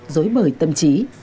dối bởi tâm trí